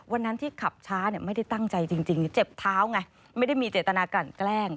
วันนั้นที่ขับช้าไม่ได้ตั้งใจจริงเจ็บเท้าไงไม่ได้มีเจตนากลั่นแกล้ง